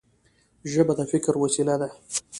ژبه د فکر وسیله ده.